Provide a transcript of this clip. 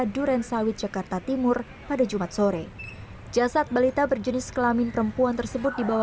duren sawit jakarta timur pada jumat sore jasad balita berjenis kelamin perempuan tersebut dibawa